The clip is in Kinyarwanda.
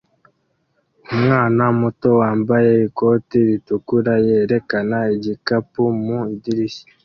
Umwana muto wambaye ikote ritukura yerekana igikapu mu idirishya